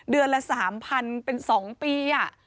เดือนละ๓๐๐เป็น๒ปี